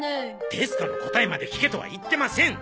テストの答えまで聞けとは言ってません！